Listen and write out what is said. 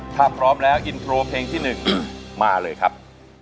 ถ้าพร้อมแล้วอินโทรเพลงที่๑มาเลยครับ